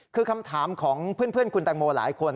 คือคำถามของเพื่อนคุณแตงโมหลายคน